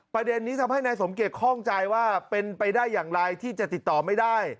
ประเด็นนี้ทำให้นายสมเกียจข้องใจว่าเป็นไปได้อย่างไรที่จะติดต่อไม่ได้